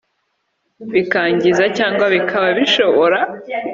Bikangiza Cyangwa Bikaba Bishobora